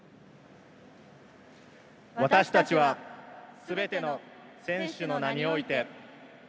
私たちはすべての選手の名において。